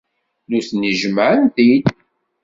Nutni jemmɛen-t-id.